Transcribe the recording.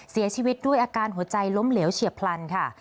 เสียชีวิตด้วยอาการหัวใจล้มเหลวเฉียบพลันค่ะ